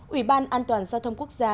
ủy ban an toàn giao thông quốc gia